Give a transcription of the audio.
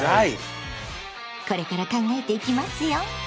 これから考えていきますよ。